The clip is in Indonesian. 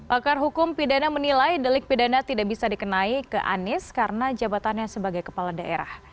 pakar hukum pidana menilai delik pidana tidak bisa dikenai ke anies karena jabatannya sebagai kepala daerah